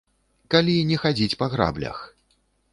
Калі не хадзіць па граблях.